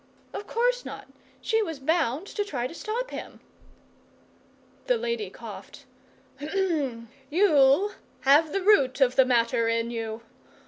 'Of course not. She was bound to try to stop him.' The lady coughed. 'You have the root of the matter in you.